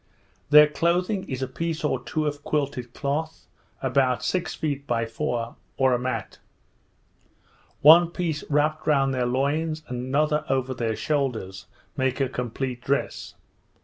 Their clothing is a piece or two of quilted cloth, about six feet by four, or a mat. One piece wrapped round their loins, and another over their shoulders, make a complete dress.